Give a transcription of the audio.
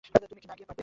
তুমি না গিয়ে পারবে?